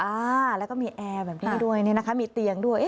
อ่าแล้วก็มีแอร์แบบนี้ด้วยเนี่ยนะคะมีเตียงด้วย